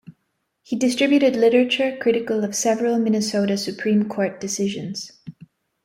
He distributed literature critical of several Minnesota Supreme Court decisions.